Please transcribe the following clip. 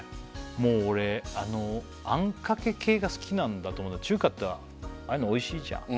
もう俺あんかけ系が好きなんだと思う中華ってああいうのおいしいじゃん